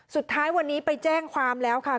สุดท้ายวันนี้ไปแจ้งความแล้วค่ะ